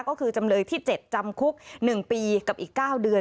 ก็คือจำเลยที่๗จำคุก๑ปีกับอีก๙เดือน